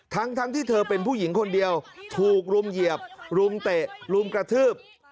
ทั้งที่เธอเป็นผู้หญิงคนเดียวถูกรุมเหยียบรุมเตะรุมกระทืบ